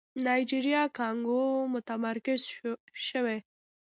نایجيريا کانګو متمرکز شوی.